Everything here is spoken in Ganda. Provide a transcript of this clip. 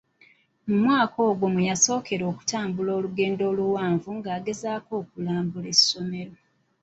Mu mwaka ogwo mwe yasookera okutambula olugendo oluwanvuko ng'agenze okulambula essomero.